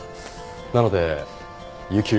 なので有休。